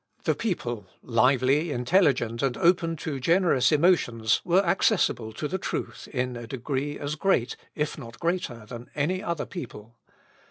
The people, lively, intelligent and open to generous emotions, were accessible to the truth in a degree as great, if not greater, than any other people.